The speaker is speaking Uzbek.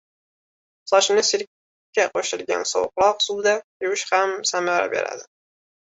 Sochni sirka qo‘shilgan sovuqroq suvda yuvish ham yaxshi samara beradi